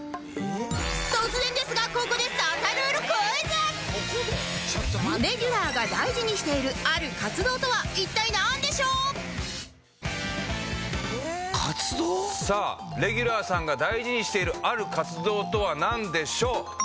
突然ですがここでレギュラーが大事にしているある活動とは一体なんでしょう？活動？さあレギュラーさんが大事にしているある活動とはなんでしょう？